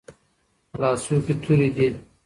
لاسو كې توري دي